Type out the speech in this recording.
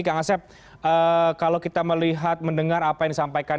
kak ngasep kalau kita melihat mendengar apa yang disampaikan